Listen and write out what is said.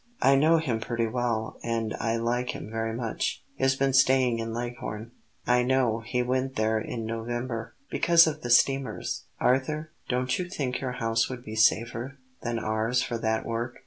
"I know him pretty well; and I like him very much. He has been staying in Leghorn." "I know; he went there in November " "Because of the steamers. Arthur, don't you think your house would be safer than ours for that work?